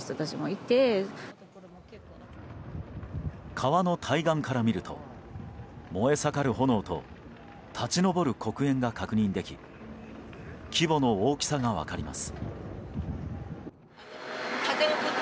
川の対岸から見ると燃え盛る炎と立ち上る黒煙が確認でき規模の大きさが分かります。